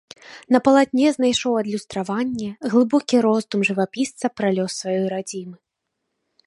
На палатне знайшоў адлюстраванне глыбокі роздум жывапісца пра лёс сваёй радзімы.